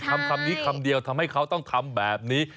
คำนี้คำเดียวทำให้เขาต้องทำแบบนี้